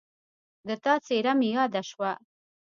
د تا څېره مې یاده شوه